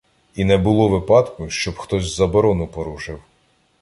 І не було випадку, щоб хтось заборону порушив.